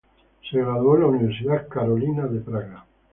Se graduó en la Universidad Carolina de Praga.